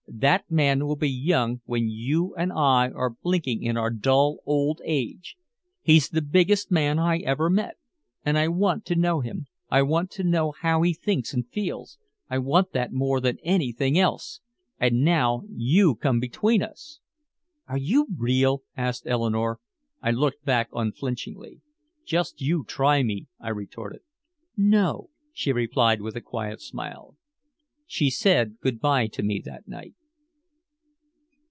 "That man will be young when you and I are blinking in our dull old age! He's the biggest man I ever met! And I want to know him, I want to know how he thinks and feels, I want that more than anything else! And now you come between us!" "Are you real?" asked Eleanore. I looked back unflinchingly. "Just you try me," I retorted. "No," she replied with a quiet smile. She said good by to me that night.